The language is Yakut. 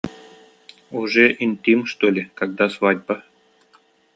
Уже интим что ли, когда свадьба